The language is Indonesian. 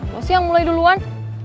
kok si yang mulai duluan